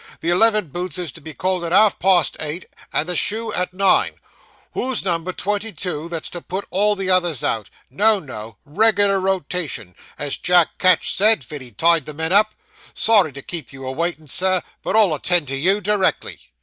The eleven boots is to be called at half past eight and the shoe at nine. Who's number twenty two, that's to put all the others out? No, no; reg'lar rotation, as Jack Ketch said, ven he tied the men up. Sorry to keep you a waitin', Sir, but I'll attend to you directly.